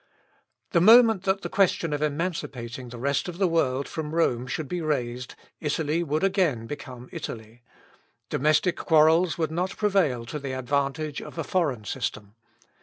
The moment that the question of emancipating the rest of the world from Rome should be raised, Italy would again become Italy; domestic quarrels would not prevail to the advantage of a foreign system.